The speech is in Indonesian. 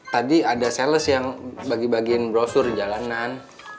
tadi ada sales yang bagi bagiin brosur di jalanan